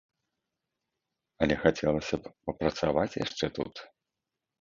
Але хацелася б папрацаваць яшчэ тут.